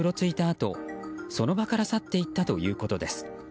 あとその場から去っていったということです。